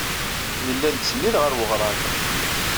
Nella nettsennid ɣer weɣrab.